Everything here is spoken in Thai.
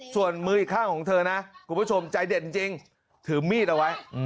ส่วนมืออีกข้างของเธอนะคุณผู้ชมใจเด็ดจริงถือมีดเอาไว้